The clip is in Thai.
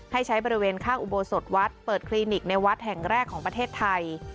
ให้ใช้บริเวณข้างอุโบสถวัดเปิดคลินิกในวัดแห่งแรกของประเทศไทย